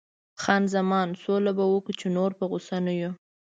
خان زمان: سوله به وکړو، چې نور په غوسه نه یو.